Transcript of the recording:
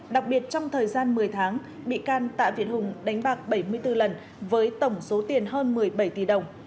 đặc biệt trong thời gian một mươi tháng bị can tạ việt hùng đánh bạc bảy mươi bốn lần với tổng số tiền hơn một mươi bảy tỷ đồng